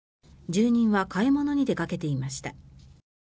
住人は買い物に出かけていました。